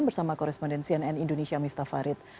bersama korespondensi nn indonesia miftah farid